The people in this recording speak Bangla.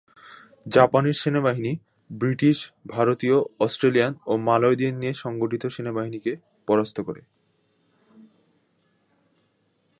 জাপানের সেনাবাহিনী ব্রিটিশ, ভারতীয়, অস্ট্রেলিয়ান ও মালয় দের নিয়ে সংগঠিত সেনাবাহিনীকে পরাস্ত করে।